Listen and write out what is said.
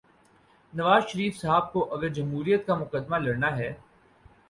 نواز شریف صاحب کو اگر جمہوریت کا مقدمہ لڑنا ہے۔